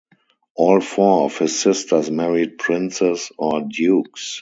All four of his sisters married princes or dukes.